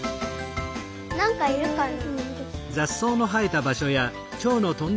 なんかいるかな？